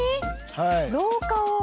廊下を。